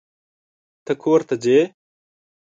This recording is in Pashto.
ته کورته ځې؟